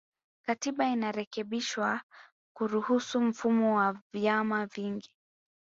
Katiba inarekebishwa kuruhusu mfumo wa vyama vingi